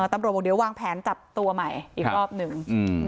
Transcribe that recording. ตำรวจบอกเดี๋ยววางแผนจับตัวใหม่อีกรอบหนึ่ง